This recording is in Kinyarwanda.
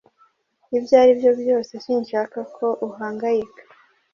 Ibyo ari byo byose, sinshaka ko uhangayika.